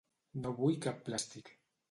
No vull cap plàstic.